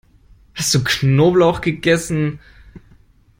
Hast du Knoblauch gegessen?